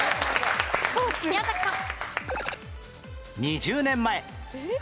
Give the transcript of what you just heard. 宮崎さん。